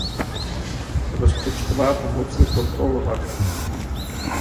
Rozpočtová pomoc je kontrolovaná.